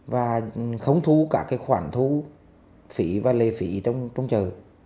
và không thu cả khoản thu phỉ và lề phỉ trong chợ